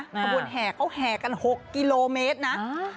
ขบวนแห่เขาแห่กัน๖กิโลเมตรนะ